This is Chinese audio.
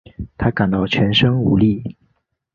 她感到全身无力